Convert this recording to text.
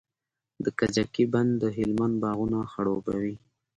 د کجکي بند د هلمند باغونه خړوبوي.